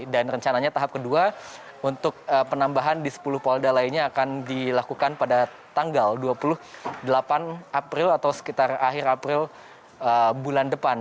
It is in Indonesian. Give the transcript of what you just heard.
dan rencananya tahap kedua untuk penambahan di sepuluh polda lainnya akan dilakukan pada tanggal dua puluh delapan april atau sekitar akhir april bulan depan